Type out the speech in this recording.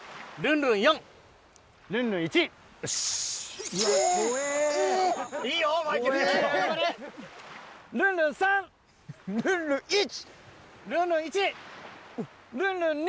ルンルン２。